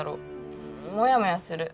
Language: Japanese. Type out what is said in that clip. んモヤモヤする。